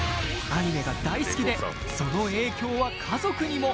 アニメが大好きで、その影響は家族にも。